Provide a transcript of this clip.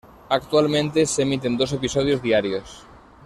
Actualmente se emiten dos episodios diarios.